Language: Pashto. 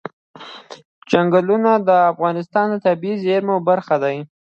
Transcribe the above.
چنګلونه د افغانستان د طبیعي زیرمو برخه ده.